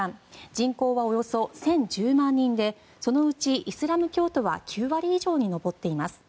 人口はおよそ１０１０万人でそのうちイスラム教徒は９割以上に上っています。